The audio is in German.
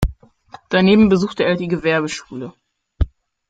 Daneben besuchte er die Gewerbeschule.